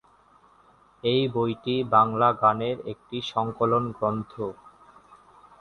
এই বইটি বাংলা গানের একটি সংকলন গ্রন্থ।